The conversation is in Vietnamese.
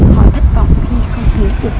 họ thất vọng khi không thấy được